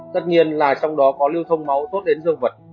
tất nhiên là trong đó có lưu thông máu tốt đến dương vật